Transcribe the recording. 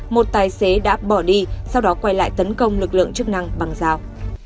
một tài xế đã bỏ đi sau đó quay lại tấn công lực lượng chức năng bằng dao